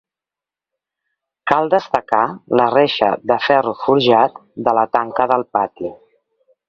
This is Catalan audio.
Cal destacar la reixa de ferro forjat de la tanca del pati.